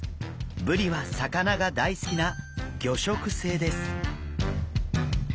ブリは魚が大好きな魚食性です。